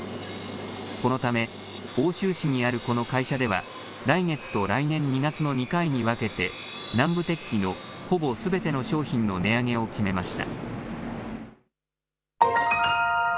このため奥州市にあるこの会社では来月と来年２月の２回に分けて南部鉄器のほぼすべての商品の値上げを決めました。